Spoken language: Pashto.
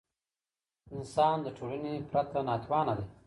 انسان د ټولني پرته ناتوان دی.